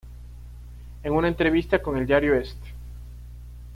En una entrevista con el diario St.